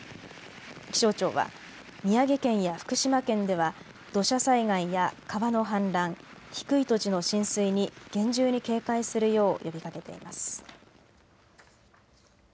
気象庁は宮城県や福島県では土砂災害や川の氾濫、低い土地の浸水に厳重に警戒するよう呼びかけています。